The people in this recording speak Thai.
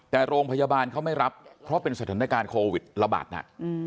แต่โรงพยาบาลเขาไม่รับเพราะเป็นสถานการณ์โควิดระบาดหนัก